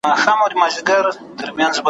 تورو پنجرو کي له زندان سره به څه کوو `